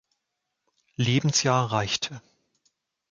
Lebensjahr reichte.